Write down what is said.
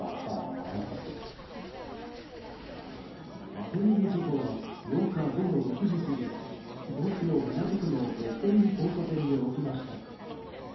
当て逃げ事故は８日午後６時過ぎ東京・港区の六本木交差点で起きました。